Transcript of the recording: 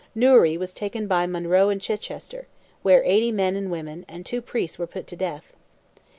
Newry was taken by Monroe and Chichester, where 80 men and women and 2 priests were put to death.